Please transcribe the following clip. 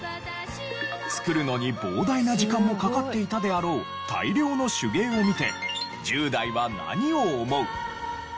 作るのに膨大な時間もかかっていたであろう大量の手芸を見て１０代は何を思う？